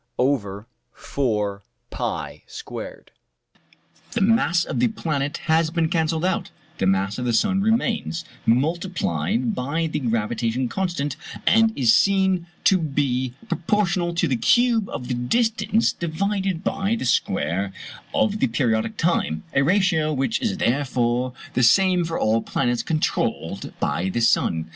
T^2 4[pi]^2 The mass of the planet has been cancelled out; the mass of the sun remains, multiplied by the gravitation constant, and is seen to be proportional to the cube of the distance divided by the square of the periodic time: a ratio, which is therefore the same for all planets controlled by the sun.